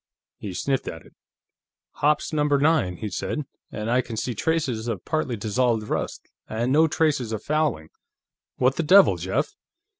He sniffed at it. "Hoppe's Number Nine," he said. "And I can see traces of partly dissolved rust, and no traces of fouling. What the devil, Jeff?"